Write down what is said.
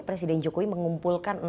presiden jokowi mengumpulkan